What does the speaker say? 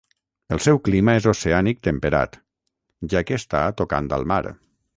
El seu clima és oceànic temperat, ja que està tocant al mar.